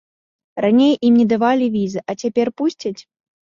Раней ім не давалі візы, а цяпер пусцяць?